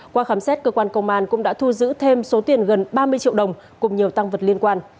qua khám xét cơ quan công an cũng đã thu giữ thêm số tiền gần ba mươi triệu đồng cùng nhiều tăng vật liên quan